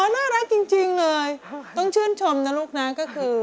น่ารักจริงเลยต้องชื่นชมนะลูกนะก็คือ